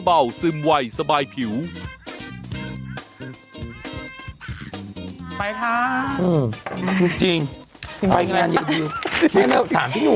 ฉันไม่ได้สามพี่หนูไงนี่